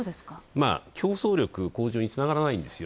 競争力向上につながらないんですよ。